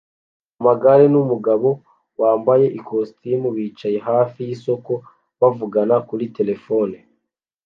Amagare numugabo wambaye ikositimu bicaye hafi yisoko bavugana kuri terefone